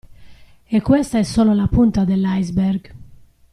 E questa è solo la punta dell'iceberg.